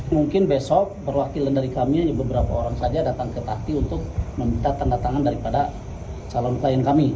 mungkin besok perwakilan dari kami hanya beberapa orang saja datang ke takti untuk meminta tanda tangan daripada calon klien kami